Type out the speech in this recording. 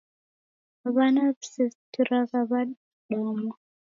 W'ana w'isesikiragha w'adamwa.